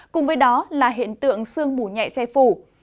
cùng với đó là hiện tượng sương mù nhẹ che phủ